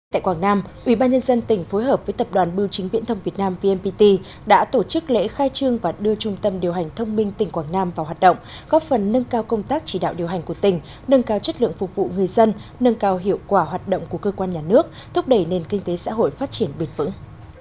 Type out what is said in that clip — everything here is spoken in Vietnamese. tại quảng nam ubnd tỉnh phối hợp với tập đoàn bưu chính viễn thông việt nam vnpt đã tổ chức lễ khai trương và đưa trung tâm điều hành thông minh tỉnh quảng nam vào hoạt động góp phần nâng cao công tác chỉ đạo điều hành của tỉnh nâng cao chất lượng phục vụ người dân nâng cao hiệu quả hoạt động của cơ quan nhà nước thúc đẩy nền kinh tế xã hội phát triển bền vững